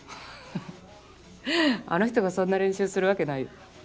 あの人がそんな練習するわけないよ。